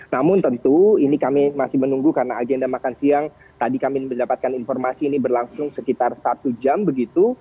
namun tentu ini kami masih menunggu karena agenda makan siang tadi kami mendapatkan informasi ini berlangsung sekitar satu jam begitu